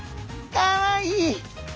かわいい！